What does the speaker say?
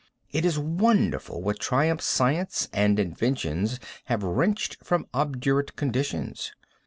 It is wonderful what triumph science and inventions have wrenched from obdurate conditions!